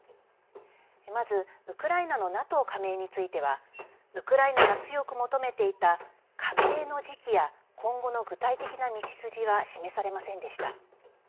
まず、ウクライナのＮＡＴＯ加盟についてはウクライナが強く求めていた加盟の時期や今後の具体的な道筋は示されませんでした。